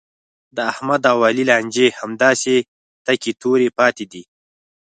د احمد او علي لانجې همداسې تکې تورې پاتې دي.